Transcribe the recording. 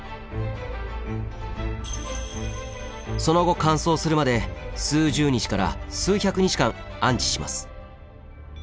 その後乾燥するまで数十日から数百日間安置します。